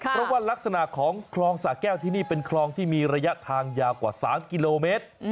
เพราะว่ารักษณะของคลองสะแก้วที่นี่เป็นคลองที่มีระยะทางยาวกว่า๓กิโลเมตร